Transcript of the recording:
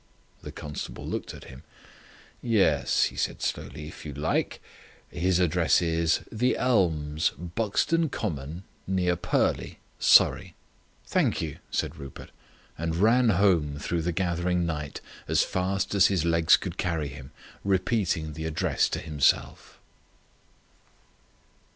The constable looked at him. "Yes," he said slowly, "if you like. His address is: The Elms, Buxton Common, near Purley, Surrey." "Thank you," said Rupert, and ran home through the gathering night as fast as his legs could carry him, repeating the address to himself.